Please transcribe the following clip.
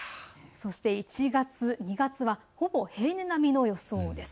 そして１月、２月はほぼ平年並みの予想です。